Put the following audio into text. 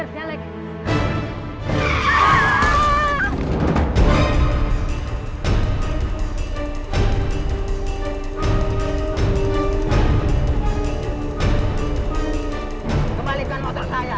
kembalikan semua barang barang saya